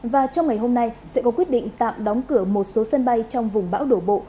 và trong ngày hôm nay sẽ có quyết định tạm đóng cửa một số sân bay trong vùng bão đổ bộ